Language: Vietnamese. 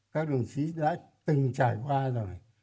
các đồng chí đã từng trải qua rồi